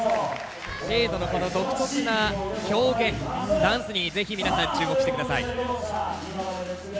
ＳＨＡＤＥのこの独特な表現ダンスにぜひ皆さん注目して下さい。